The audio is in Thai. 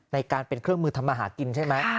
ในการเป็นเครื่องมือทำมาหากินใช่ไหม